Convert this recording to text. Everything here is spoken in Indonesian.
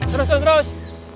terus terus terus